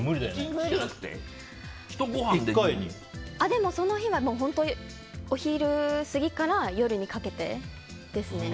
でも、その日はお昼過ぎから夜にかけてですね。